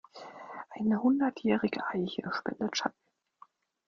Eine hundertjährige Eiche spendet Schatten.